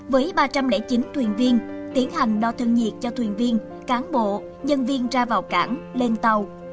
với ba trăm linh chín thuyền viên tiến hành đo thân nhiệt cho thuyền viên cán bộ nhân viên ra vào cảng lên tàu